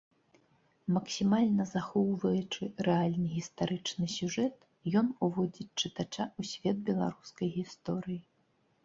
Максімальна захоўваючы рэальны гістарычны сюжэт, ён уводзіць чытача ў свет беларускай гісторыі.